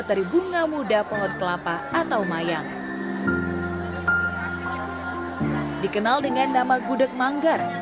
dikenal dengan nama gudeg manggar